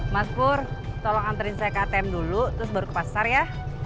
mas pur tolong anterin saya ke atm dulu terus baru ke pasar ya